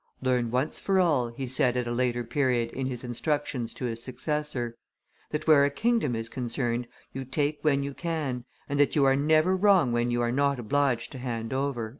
"Learn once for all," he said at a later period, in his instructions to his successor, "that where a kingdom is concerned, you take when you can, and that you are never wrong when you are not obliged to hand over.